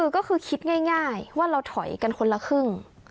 ก็คือคิดง่ายว่าเราถอยกันคนละครึ่ง